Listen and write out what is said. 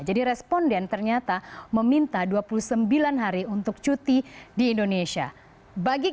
jadi responden ternyata meminta dua puluh sembilan hari untuk cuti di indonesia